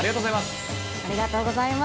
ありがとうございます。